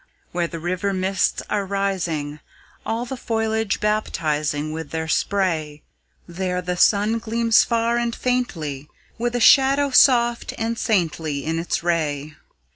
Where the river mists are rising, All the foliage baptizing With their spray; There the sun gleams far and faintly, With a shadow soft and saintly, In its ray.